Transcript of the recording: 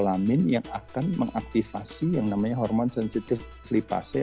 kalamin yang akan mengaktifasi yang namanya hormon sensitif lipase